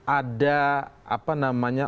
ada apa namanya